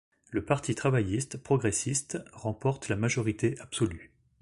Le Parti travailliste progressiste remporte la majorité absolu.